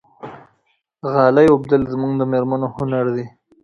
غالۍ اوبدل زموږ د مېرمنو هنر دی.